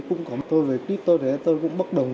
cũng có tôi với clip tôi tôi cũng bất đồng